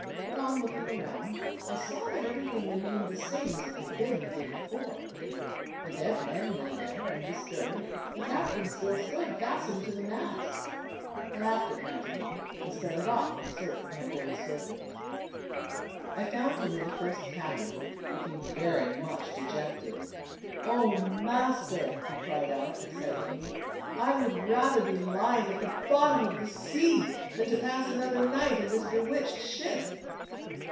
Upon looking around, I saw that everything remained the same as it had been the day before. The dead men lay there undisturbed, the captain still stood fastened to the mast. I laughed at my dream, and started off in search of my old servant. I found him in the first cabin, looking very much dejected. "0, master!" he cried out at sight of me, "I would rather be lying at the bottom of the sea, than to pass another night in this bewitched ship."